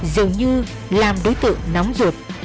dường như làm đối tượng nóng ruột